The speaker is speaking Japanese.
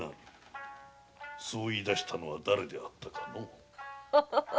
そう言いだしたのはだれだったかな。